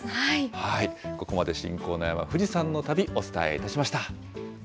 ここまで、信仰の山、富士山の旅お伝えいたしました。